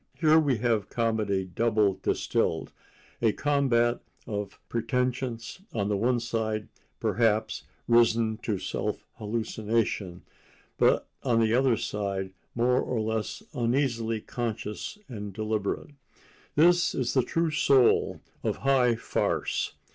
Here we have comedy double distilled—a combat of pretensions, on the one side, perhaps, risen to self hallucination, but on the other side more or less uneasily conscious and deliberate. This is the true soul of high farce.